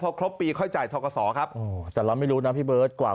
พอครบปีค่อยจ่ายทกศครับแต่เราไม่รู้นะพี่เบิร์ตกว่า